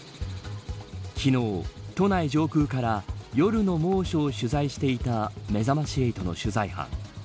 昨日、都内上空から夜の猛暑を取材していためざまし８の取材班。